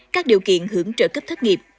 các điều kiện hưởng trợ cấp thất nghiệp